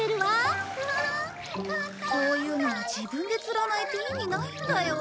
こういうのは自分で釣らないと意味ないんだよ。